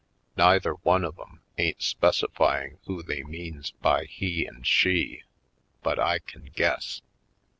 Neither one of 'em ain't specifying who they means by "he" and "she" but I can guess.